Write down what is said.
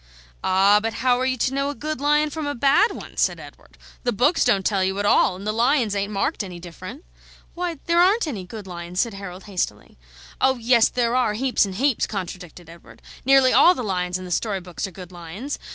"Ah, but how are you to know a good lion from a bad one?" said Edward. "The books don't tell you at all, and the lions ain't marked any different." "Why, there aren't any good lions," said Harold, hastily. "Oh yes, there are, heaps and heaps," contradicted Edward. "Nearly all the lions in the story books are good lions.